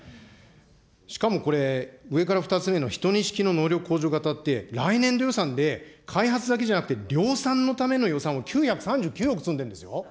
しかもこれ、上から２つ目の１２式の能力向上型って、来年度予算で開発だけじゃなくて量産のための予算を９３９億積んでるんですよ。